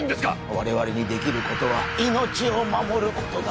我々にできることは命を守ることだ